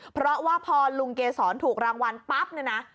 เพราะว่าพอลุงเกษรถูกรางวัลปั๊บเนี่ยนะ